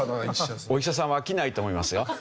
お医者さんは飽きないと思いますよ。